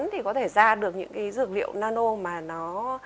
thì có thể ra được những cái dược liệu nano mà nó